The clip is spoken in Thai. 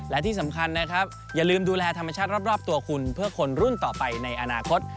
และที่สำคัญนะครับอย่าลืมดูแลธรรมชาติรอบตัวคุณเพื่อคนรุ่นต่อไปในอนาคต